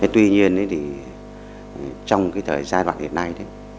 tuy nhiên trong thời gian vạn hiện nay